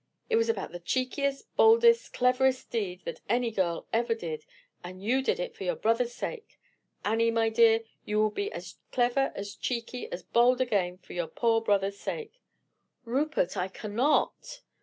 It was about the cheekiest, boldest, cleverest deed that any girl ever did, and you did it for your brother's sake. Annie, my dear, you will be as clever, as cheeky, as bold again for your poor brother's sake." "Rupert, I cannot."